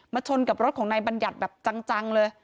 ชนกับรถของนายบัญญัติแบบจังเลย